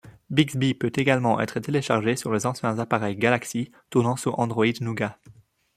Bixby peut également être téléchargé sur les anciens appareils Galaxy tournant sous Android Nougat.